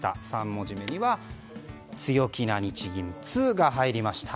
３文字目には強気な日銀「ツ」が入りました。